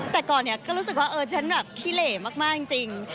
แต่ก่อนเนี่ยก็รู้สึกว่าเออฉันแบบขี้เหล่มากจริง